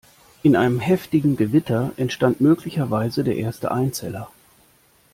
In einem heftigen Gewitter entstand möglicherweise der erste Einzeller.